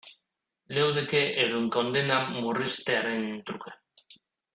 Leudeke euren kondena murriztearen truke.